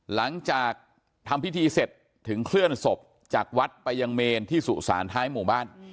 หลังจากทำพิธีเสร็จถึงเคลื่อนศพจากวัดไปยังเมนที่สุสานท้ายหมู่บ้าน